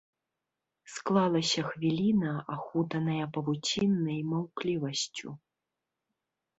Склалася хвіліна, ахутаная павуціннай маўклівасцю.